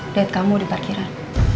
dat kamu di parkiran